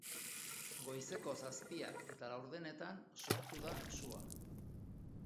Goizeko zazpiak eta laurdenetan sortu da sua.